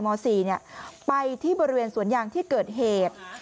ม๔ไปที่บริเวณสวนยางที่เกิดเหตุ